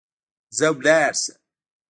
ځه ولاړ سه.